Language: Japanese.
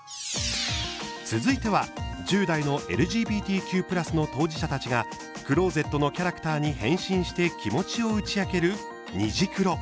続いては１０代のＬＧＢＴＱ＋の当事者たちがクローゼットのキャラクターに変身して気持ちを打ち明ける「虹クロ」。